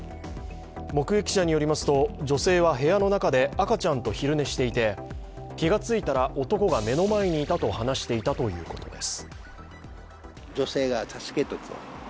目撃者によりますと、女性は部屋の中で赤ちゃんと昼寝していて気がついたら男が目の前にいたと話していたということです。